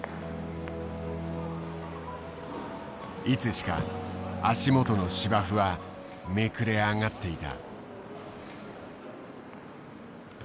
いつしか足元の芝生はめくれ上がっていた。